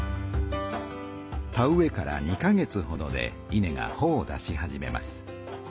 田植えから２か月ほどで稲がほを出し始めます。